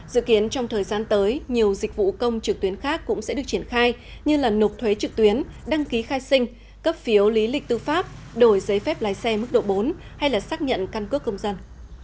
dự kiến trong thời gian tới nhiều dịch vụ công trực tuyến khác cũng sẽ được triển khai như nộp thuế trực tuyến đăng ký khai sinh cấp phiếu lý lịch tư pháp đổi giấy phép lái xe mức độ bốn hay là xác nhận căn cước công dân